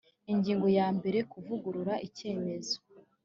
ingingo ya mbere kuvugurura icyemezo